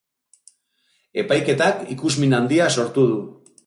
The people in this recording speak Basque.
Epaiketak ikusmin handia sortu du.